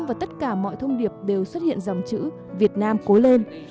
và tất cả mọi thông điệp đều xuất hiện dòng chữ việt nam cố lên